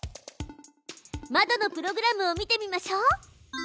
まどのプログラムを見てみましょう！